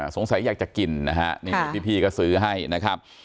สงสัยอยากจะกินนะฮะพี่ก็ซื้อให้นะครับ